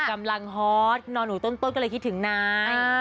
กำลังฮอตนอนอยู่ต้นก็เลยคิดถึงนาย